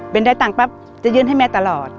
เป็นได้ตังค์ปั๊บจะยื่นให้แม่ตลอด